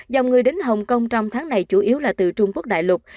dòng người đến hồng kông trong tháng này chủ yếu là từ trung quốc đại lục